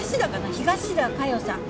東田加代さん。